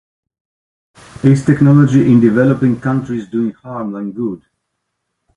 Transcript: This technology in developing countries do harm than good